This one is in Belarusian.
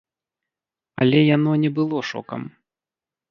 Але яно не было шокам.